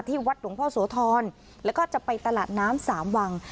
วัดหลวงพ่อโสธรแล้วก็จะไปตลาดน้ำสามวัง